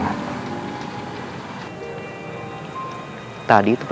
kau bisa buat apa